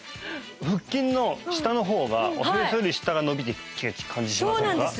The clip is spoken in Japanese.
腹筋の下の方がおへそより下が伸びていく感じしませんか？